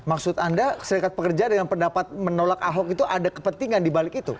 maksud anda serikat pekerja dengan pendapat menolak ahok itu ada kepentingan dibalik itu